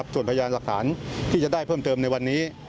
ส่วนพยานหลักฐานที่จะได้เพิ่มเติมในวันนี้